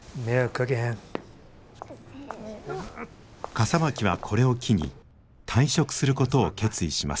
笠巻はこれを機に退職することを決意します。